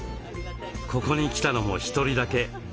ここに来たのも１人だけ。